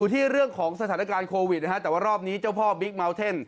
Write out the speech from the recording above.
ที่เรื่องของสถานการณ์โควิดนะฮะแต่ว่ารอบนี้เจ้าพ่อบิ๊กเมาเท่น